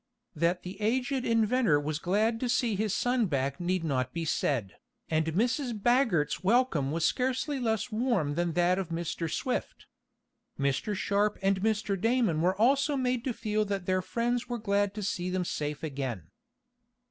That the aged inventor was glad to see his son back need not be said, and Mrs. Baggert's welcome was scarcely less warm than that of Mr. Swift. Mr. Sharp and Mr. Damon were also made to feel that their friends were glad to see them safe again.